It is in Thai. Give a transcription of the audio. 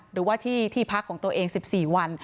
หรือว่าที่ที่พักของตัวเอง๑๔วัน